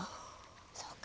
そうか。